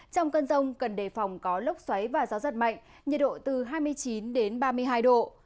trong cơn rông cần đề phòng có lốc xoáy và gió rất mạnh nhiệt độ từ hai mươi chín đến ba mươi hai độ